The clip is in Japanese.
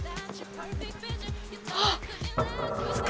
あっ！？